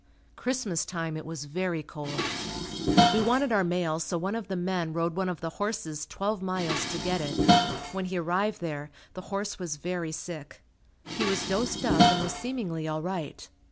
Christmas time it was very cold. We wanted our mail so one of the men rode one of the horses twelve miles to get it. When he arrived there the horse was very sick. He was dosed up and was seemingly all right.